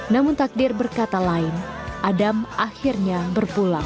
namun takdir berkata lain adam akhirnya berpulang